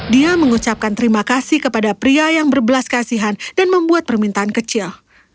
dia mengucapkan terima kasih kepada pria yang berbelas kasihan dan membuat permintaan kecil